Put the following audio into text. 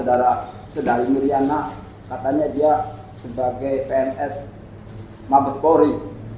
saudara saudari miriana katanya dia sebagai pns mabes polri